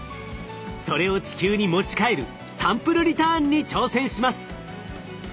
それを地球に持ち帰るサンプルリターンに挑戦します。